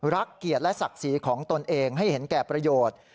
เกียรติและศักดิ์ศรีของตนเองให้เห็นแก่ประโยชน์